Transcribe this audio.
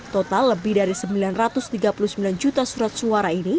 total lebih dari sembilan ratus tiga puluh sembilan juta surat suara ini